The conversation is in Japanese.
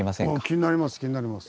気になります気になります。